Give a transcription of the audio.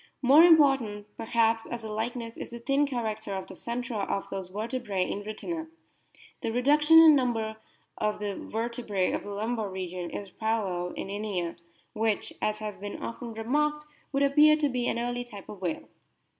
More important, perhaps, as a likeness is the thin character of the centra of those vertebrse in Rhytina. The reduction in number of the ver tebrae of the lumbar region is paralleled in Inia, which, as has been often remarked, would appear to be an early type of whale.